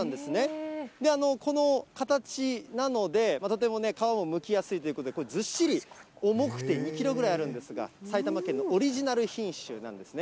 この形なので、とても皮もむきやすいということで、これ、ずっしり重くて２キロぐらいあるんですが、埼玉県のオリジナル品種なんですね。